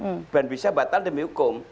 bukan bisa batal demi hukum